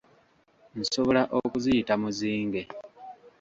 Nsobola okuziyita muzinge.